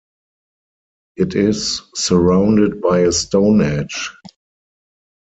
It is surrounded by a stone hedge.